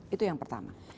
itu yang pertama